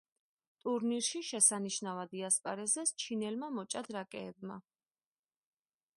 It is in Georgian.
ტურნირში შესანიშნავად იასპარეზეს ჩინელმა მოჭადრაკეებმა.